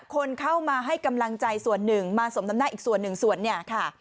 คนเข้ามาให้กำลังใจส่วนหนึ่งมาสมน้ำหน้าอีกส่วนหนึ่งส่วนเนี่ยค่ะ